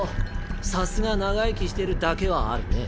さすが長生きしてるだけはあるね。